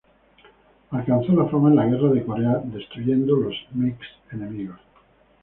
Alcanzó la fama en la guerra de Corea destruyendo los MiGs enemigos.